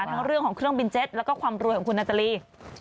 ทั้งเรื่องของเครื่องบินเจ็ตแล้วก็ความรวยของคุณนาตาลี